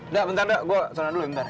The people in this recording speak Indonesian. nda ntar nda gue sana dulu bentar